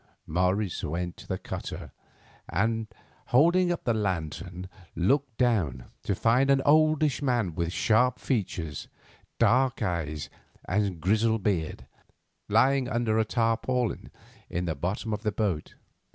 Morris went to the cutter, and, holding up the lantern, looked down, to find an oldish man with sharp features, dark eyes, and grizzled beard, lying under a tarpaulin in the bottom of the boat.